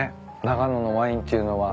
長野のワインっていうのは。